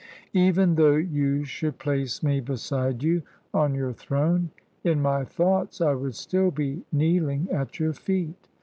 ''Even though you should place me beside you on your throne, in my thoughts I would still be kneeHng at your feet.